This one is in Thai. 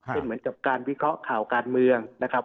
เป็นเหมือนกับการวิเคราะห์ข่าวการเมืองนะครับ